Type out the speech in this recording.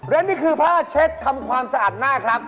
และนี่คือผ้าเช็ดทำความสะอาดหน้าครับ